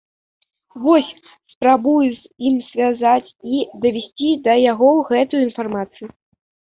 Вось, спрабую з ім звязацца і давесці да яго гэтую інфармацыю.